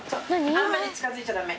あんまり近づいちゃだめ。